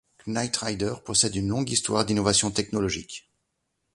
Knight Ridder possède une longue histoire d'innovation technologique.